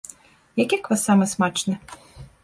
Які квас самы смачны?